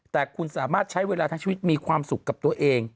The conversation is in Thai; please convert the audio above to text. แต่คุณสามารถใช้เวลาทั้งชีวิตมีความสุขกับตัวเอง